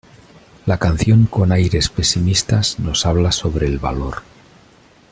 La canción con aires pesimistas nos habla sobre el valor.